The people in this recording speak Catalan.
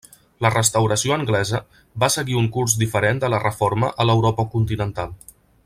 La Restauració anglesa va seguir un curs diferent de la Reforma a l'Europa continental.